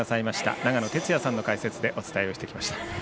長野哲也さんの解説でお伝えをしてきました。